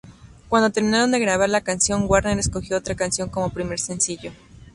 Cuando terminaron de grabar la canción, Warner escogió otra canción como primer sencillo.